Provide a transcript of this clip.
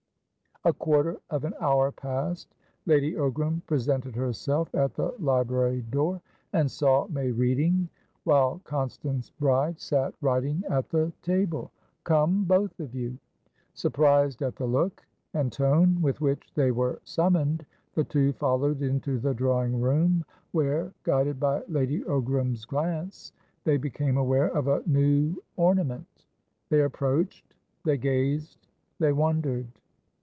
A quarter of an hour passed. Lady Ogram presented herself at the library door, and saw May reading, whilst Constance Bride sat writing at the table. "Come, both of you!" Surprised at the look and tone with which they were summoned, the two followed into the drawing room, where, guided by Lady Ogram's glance, they became aware of a new ornament. They approached; they gazed; they wondered.